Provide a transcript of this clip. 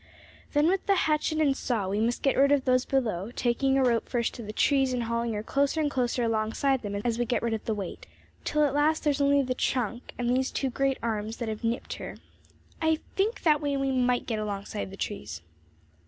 Then, with hatchet and saw, we must get rid of those below, taking a rope first to the trees and hauling her closer and closer alongside them as we get rid of the weight, till at last there is only the trunk and these two great arms that have nipped her. I think that way we might get alongside the trees."